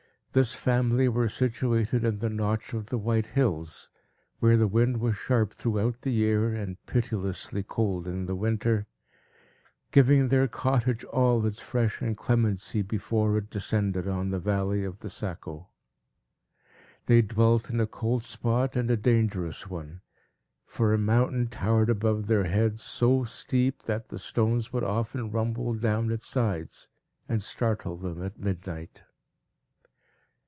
This family were situated in the Notch of the White Hills, where the wind was sharp throughout the year, and pitilessly cold in the winter, giving their cottage all its fresh inclemency, before it descended on the valley of the Saco. They dwelt in a cold spot and a dangerous one; for a mountain towered above their heads, so steep, that the stones would often rumble down its sides, and startle them at midnight.